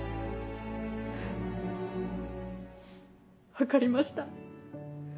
分かりました。